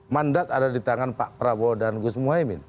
mandat ada di tangan pak prabowo dan gus muhaymin